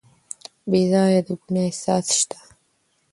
بې ځایه د ګناه احساس شته.